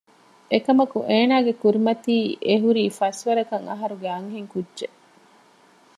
އެކަމަކު އޭނާގެ ކުރިމަތީ އެހުރީ ފަސްވަރަކަށް އަހަރުގެ އަންހެންކުއްޖެއް